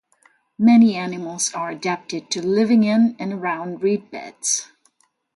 Many animals are adapted to living in and around reed-beds.